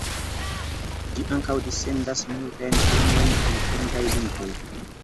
Ĝi ankaŭ dissendas multajn filmojn en fremdaj lingvoj.